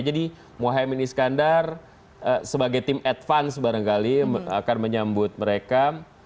jadi mohaimin iskandar sebagai tim advance barangkali akan menyambut mereka